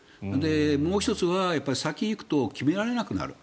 もう１つは先に行くと決められなくなる。